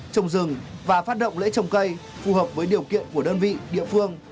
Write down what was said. trồng rừng và phát động lễ trồng cây phù hợp với điều kiện của đơn vị địa phương